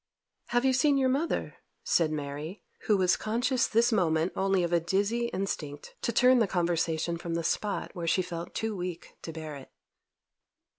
'Have you seen your mother?' said Mary, who was conscious this moment only of a dizzy instinct to turn the conversation from the spot where she felt too weak to bear it.